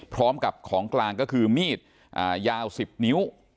พร้อมกับของกลางก็คือมีดยาว๑๐นิ้ว